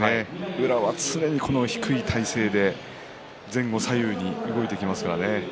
宇良は常に低い体勢で前後左右に動いていきますからね。